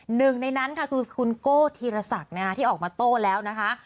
หนึ่งในนั้นค่ะคือคุณโก้ธีรศักดิ์ที่ออกมาโต้แล้วนะคะ